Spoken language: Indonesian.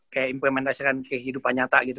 kayak implementasikan kehidupan nyata gitu